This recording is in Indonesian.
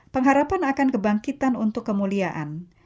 pengharapan akan kebangkitan untuk kemuliaan